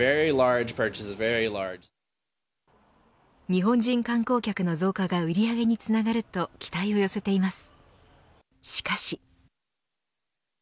日本人観光客の増加が売り上げにつながると期待を寄せています。